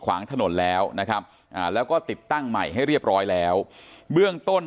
ขวางถนนแล้วนะครับแล้วก็ติดตั้งใหม่ให้เรียบร้อยแล้วเบื้องต้น